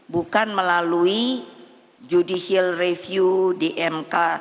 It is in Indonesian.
bukan melalui judicial review di mk